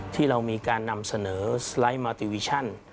ที่เรามีการนำเสนอสไลด์มาติวิชั่น